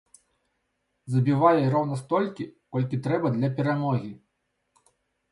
Забівае роўна столькі, колькі трэба для перамогі.